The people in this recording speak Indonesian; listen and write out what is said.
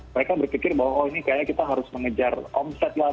mereka berpikir bahwa oh ini kayaknya kita harus mengejar omset lah